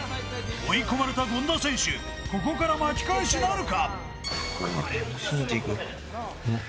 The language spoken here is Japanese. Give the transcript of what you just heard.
追い込まれた権田選手、ここから巻き返しなるか？